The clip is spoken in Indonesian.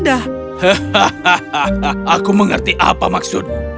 hahaha aku mengerti apa maksudmu